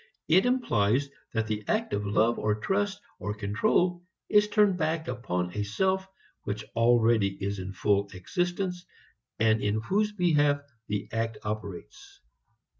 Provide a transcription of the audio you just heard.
It implies that the act of love or trust or control is turned back upon a self which already is in full existence and in whose behalf the act operates.